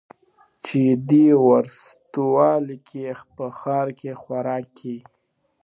چي په دې وروستیو کي په ښار کي د خوراکي